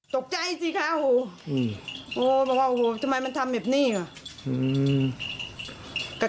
ตกใจสิคะโหโอ้เพราะอ่ะโหทำไมมันทำแบบนี้อ่ะอืม